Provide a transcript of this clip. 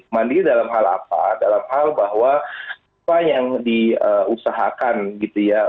mandiri dalam hal apa dalam hal bahwa apa yang diusahakan gitu ya